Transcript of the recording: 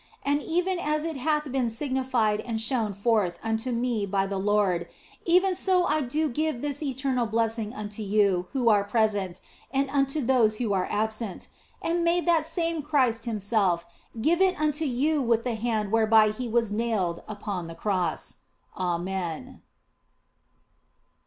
And even as it hath been signified and shown forth unto me by the Lord, even so do I give this eternal blessing unto you who are present and unto those who are absent, and may that same Christ Himself give it unto you with the Hand whereby He was nailed upon the Cross. Amen."